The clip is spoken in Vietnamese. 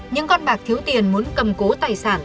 những con bạc thiếu tiền muốn cầm cố tài sản